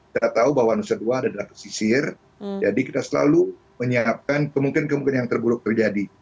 kita tahu bahwa nusantara dua adalah kesisir jadi kita selalu menyiapkan kemungkinan kemungkinan yang terburuk terjadi